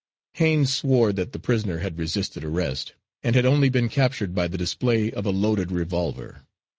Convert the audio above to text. Haines swore that the prisoner had resisted arrest, and had only been captured by the display of a loaded revolver.